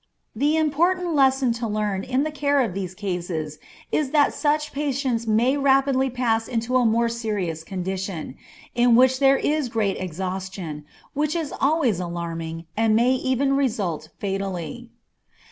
The important lesson to learn in the care of these cases is that such patients may rapidly pass into a more serious condition, in which there is great exhaustion, which is always alarming, and may even result fatally.